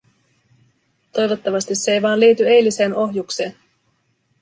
Toivottavasti se ei vain liity eiliseen ohjukseen.